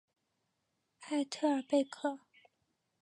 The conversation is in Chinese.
埃特尔贝克。